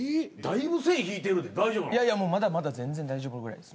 いやいやもうまだまだ全然大丈夫ぐらいです。